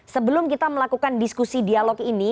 sebelum kita melakukan diskusi dialog ini